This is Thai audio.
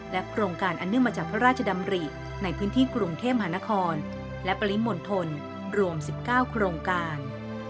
โครงการอันเนื่องมาจากพระราชดำริในพื้นที่กรุงเทพมหานครและปริมณฑลรวม๑๙โครงการ